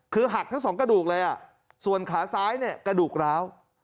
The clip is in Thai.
คือหักทั้งสองกระดูกเลยส่วนขาซ้ายเนี่ยกระดูกร้าว